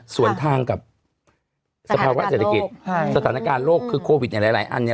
ส่วนทางกับสภาวะเศรษฐกิจสถานการณ์โลกคือโควิดในหลายอันเนี่ย